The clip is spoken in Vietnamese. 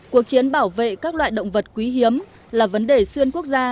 cuộc chiến bảo vệ các loại động vật quý hiếm là vấn đề xuyên quốc gia